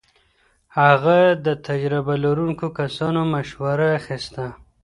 هغه د تجربه لرونکو کسانو مشوره اخيسته.